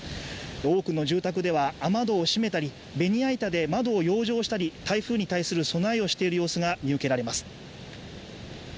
多くの住宅では雨戸を閉めたりベニヤ板で窓を養生したり、台風に対する備えをしている様子が見受けられます。